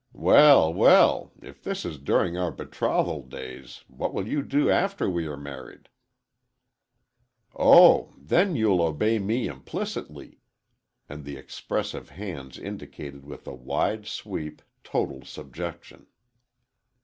Well, well, if this is during our betrothal days, what will you do after we are married?" "Oh, then you'll obey me implicitly," and the expressive hands indicated with a wide sweep, total subjection.